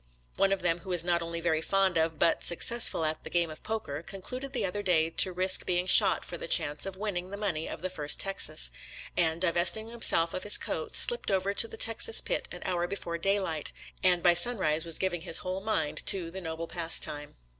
One of them who is not only very fond of, but successful at, the game of poker, concluded the other day to risk being shot for the chance of winning the money of the First Texas, and, divesting himself of his coat, slipped over to the Texas pit an hour before daylight, and by sunrise was giving his whole mind to the noble pastime.